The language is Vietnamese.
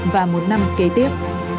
và một năm kế tiếp